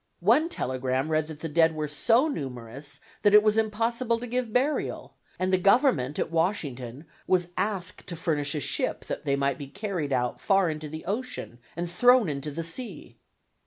One telegram read that the dead were so numerous that it was impossible to give burial, and the Government at Washington was asked to furnish a ship that they might be carried out far into the ocean and thrown into the sea.